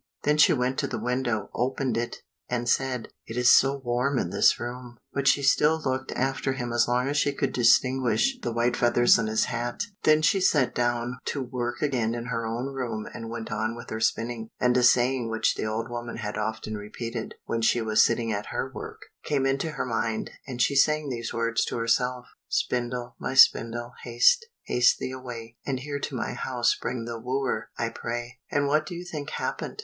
Then she went to the window, opened it, and said, "It is so warm in this room!" but she still looked after him as long as she could distinguish the white feathers in his hat. Then she sat down to work again in her own room and went on with her spinning, and a saying which the old woman had often repeated when she was sitting at her work, came into her mind, and she sang these words to herself,— "Spindle, my spindle, haste, haste thee away, And here to my house bring the wooer, I pray." And what do you think happened?